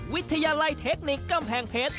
วิทยาลัยเทคนิคกำแพงเพชร